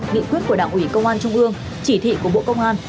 nghị quyết của đảng ủy công an trung ương chỉ thị của bộ công an